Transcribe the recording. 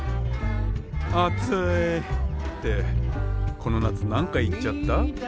「暑い！」ってこの夏何回言っちゃった？